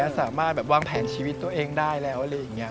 สามารถวางแผนชีวิตตัวเองได้แล้วอะไรอย่างนี้